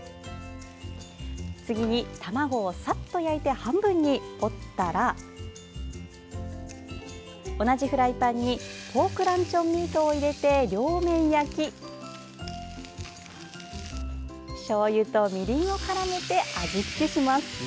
次に、卵をさっと焼いて半分に折ったら同じフライパンにポークランチョンミートを入れて両面焼きしょうゆとみりんをからめて味付けします。